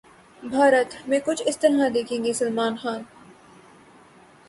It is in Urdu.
بھارت 'میں کچھ اس طرح دکھیں گے سلمان خان'